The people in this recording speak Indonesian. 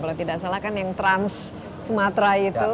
kalau tidak salah kan yang trans sumatera itu